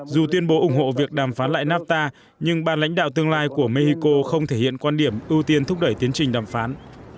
dù tuyên bố ủng hộ việc đàm phán lại nafta nhưng ban lãnh đạo tương lai của mexico không thể hiện quan điểm ưu tiên thúc đẩy tiến trình đàm phán